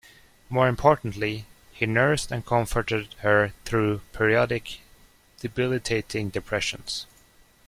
More importantly, he nursed and comforted her through periodic debilitating depressions.